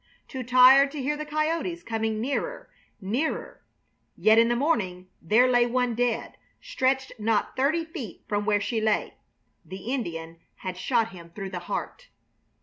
Too tired to hear the coyotes coming nearer, nearer, yet in the morning there lay one dead, stretched not thirty feet from where she lay. The Indian had shot him through the heart.